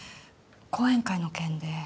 講演会の件で。